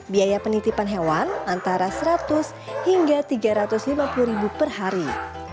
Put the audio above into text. biaya penitipan hewan antara seratus hingga tiga ratus lima puluh ribu per hari